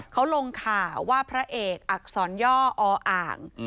เขาลงข่าวว่าพระเอกอักษรย่ออ่าง